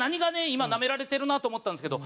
今ナメられてるなと思ったんですけど